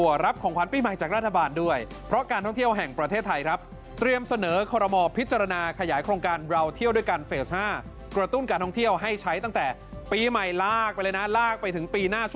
ว่าจะมีการเสนอให้คอรมอพิจารณากันในเดือนนี้